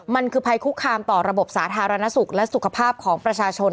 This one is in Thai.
มันคือภัยคุกคามต่อระบบสาธารณสุขและสุขภาพของประชาชน